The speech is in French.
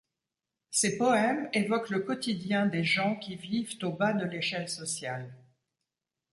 Ses poèmes évoquent le quotidien des gens qui vivent au bas de l'échelle sociale.